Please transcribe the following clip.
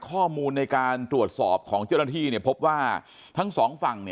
ข้อมูลในการตรวจสอบของเจ้าหน้าที่พบว่าทั้งสองฝั่ง